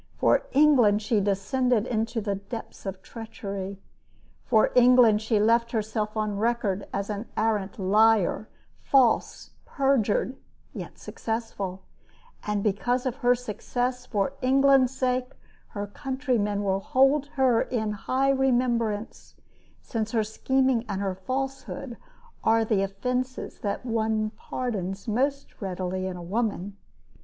For England she descended into depths of treachery. For England she left herself on record as an arrant liar, false, perjured, yet successful; and because of her success for England's sake her countrymen will hold her in high remembrance, since her scheming and her falsehood are the offenses that one pardons most readily in a woman.